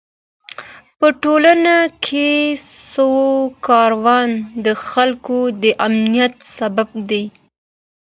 په ټولنه کې ښو کارونه د خلکو د امنيت سبب دي.